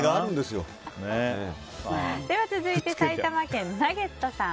続いて埼玉県の方。